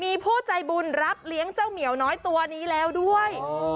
มีผู้ใจบุญรับเลี้ยงเจ้าเหมียวน้อยตัวนี้แล้วด้วย